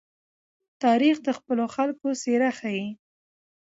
تاریخ د خپلو خلکو څېره ښيي.